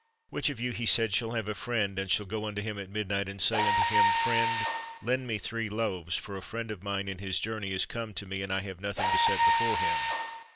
"Which of you," He said, "shall have a friend, and shall go unto him at midnight, and say unto him, Friend, lend me three loaves; for a friend of mine in his journey is come to me, and I have nothing to set before him?